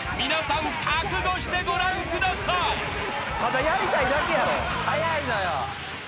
皆さん覚悟してご覧ください］